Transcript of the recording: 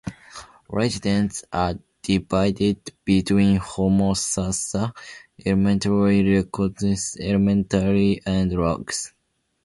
Residents are divided between Homosassa Elementary, Lecanto Elementary, and Rock Crusher Elementary.